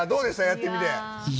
やってみて。